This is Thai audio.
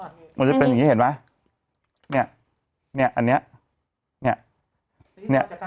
มันจะเป็นอย่างงี้เห็นไหมเนี่ยเนี่ยอันเนี้ยเนี่ย